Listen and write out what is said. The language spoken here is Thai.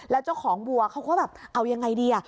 แล้วเจ้าของวัวเขาก็แบบเอายังไงดี